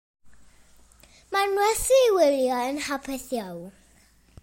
Mae'n werth ei wylio.